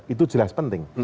itu jelas penting